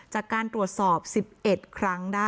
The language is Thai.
ลักษณ์มากกว่า